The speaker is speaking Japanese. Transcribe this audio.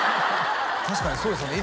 確かにそうですよね